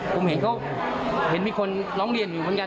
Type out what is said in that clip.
ผมเห็นเขาเห็นมีคนร้องเรียนอยู่เหมือนกัน